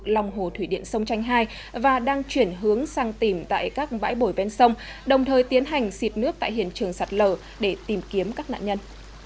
lòng hồ thủy điện sông tranh hai và đang chuyển hướng sang tìm tại các bãi bồi ven sông đồng thời tiến hành xịt nước tại hiện trường sạt lở để tìm kiếm các nạn nhân